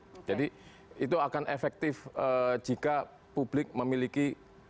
harus tidak boleh melakukan kegiatan dalam jumlah publik yang banyak harus nurut